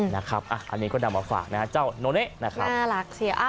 นะครับอันนี้ก็นำมาฝากนะฮะเจ้าโนเละนะครับน่ารักเชีย